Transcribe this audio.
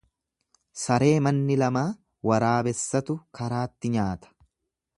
Saree manni lamaa waraabessatu karaatti nyaata.